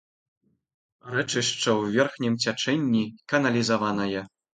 Рэчышча ў верхнім цячэнні каналізаванае.